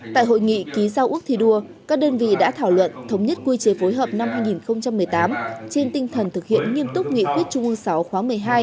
tại hội nghị ký giao ước thi đua các đơn vị đã thảo luận thống nhất quy chế phối hợp năm hai nghìn một mươi tám trên tinh thần thực hiện nghiêm túc nghị quyết trung ương sáu khóa một mươi hai